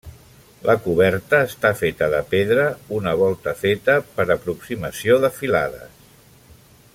La coberta està feta de pedra, una volta feta per aproximació de filades.